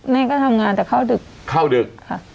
แม่ก็ทำงานแต่เข้าดึกเข้าดึกค่ะ